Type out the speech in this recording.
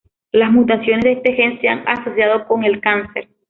Las mutaciones de este gen se han asociado con el cáncer.